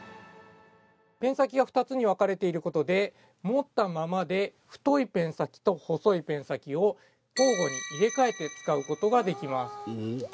◆ペン先が２つに分かれていることで持ったままで太いペン先と細いペン先を交互に入れ替えて使うことができます。